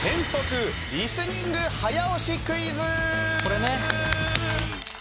これね。